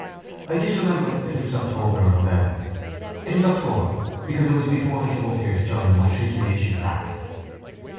I disremember if it was October or November. It was October because it was before I came up here to join the matriculation class.